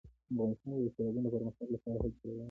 افغانستان کې د سیلابونو د پرمختګ لپاره هڅې روانې دي.